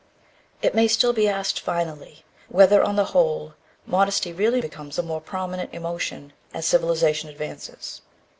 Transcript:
It may still be asked finally whether, on the whole, modesty really becomes a more prominent emotion as civilization advances.